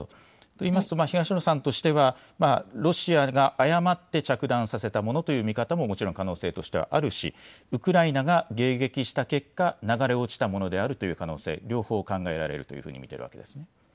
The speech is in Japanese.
東野さんとしてはロシアが誤って着弾させたものという見方も可能性としてはあるし、ウクライナが迎撃した結果、流れ落ちたものである可能性もある、両方考えられると見ているんですね。